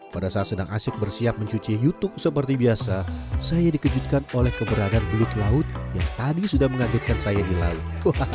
pada saat sedang asyik bersiap mencuci youtube seperti biasa saya dikejutkan oleh keberadaan belut laut yang tadi sudah mengagetkan saya di laut